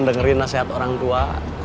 dengerin nasihat orang tua